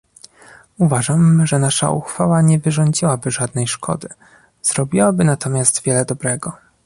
Uważam, że nasza uchwała nie wyrządziłaby żadnej szkody, zrobiłaby natomiast wiele dobrego